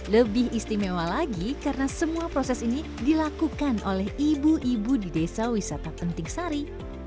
lebih istimewa lagi karena semua proses ini dilakukan oleh ibu ibu di desa wisata penting sari